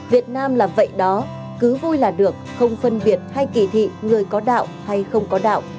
việt nam là vậy đó cứ vui là được không phân biệt hay kỳ thị người có đạo hay không có đạo